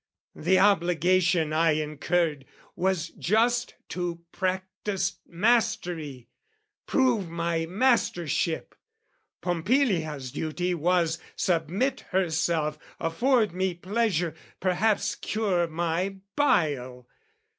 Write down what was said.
The obligation I incurred was just To practise mastery, prove my mastership: Pompilia's duty was submit herself, Afford me pleasure, perhaps cure my bile.